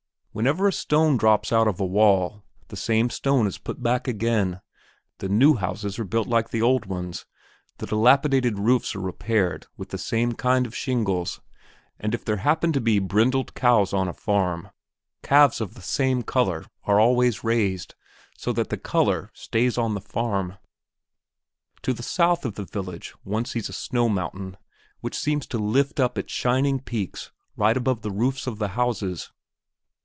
Whenever a stone drops out of a wall, the same stone is put back again, the new houses are built like the old ones, the dilapidated roofs are repaired with the same kind of shingles, and if there happen to be brindled cows on a farm, calves of the same color are raised always, so that the color stays on the farm. To the south of the village one sees a snow mountain which seems to lift up its shining peaks right above the roofs of the houses.